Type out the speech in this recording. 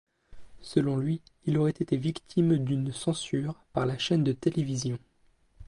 Selon lui, il aurait été victime d'une censure par la chaîne de télévision.